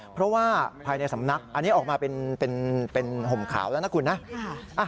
เพราะว่าภายในสำนักอันนี้ออกมาเป็นห่มขาวแล้วนะคุณนะ